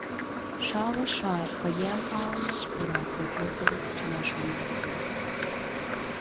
Shaw was shot by Giampaolo Sgura for Hercules International magazine.